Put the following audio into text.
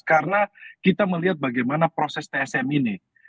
karena kita melihat bagaimana proses tsm ini